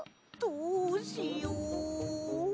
どうしよう。